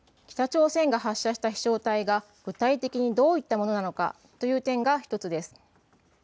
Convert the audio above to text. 北朝鮮が発射した飛しょう体が具体的にどういったものなのかという点が１つです。